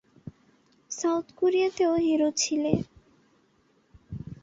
South কোরিয়াতেও hero ছিলে।